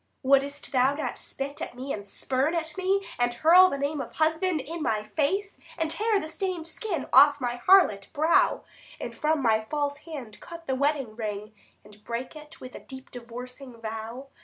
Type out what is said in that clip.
Wouldst thou not spit at me and spurn at me, And hurl the name of husband in my face, And tear the stain'd skin off my harlot brow, 135 And from my false hand cut the wedding ring, And break it with a deep divorcing vow?